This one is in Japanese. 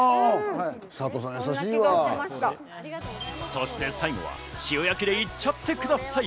そして最後は塩焼きで行っちゃってください。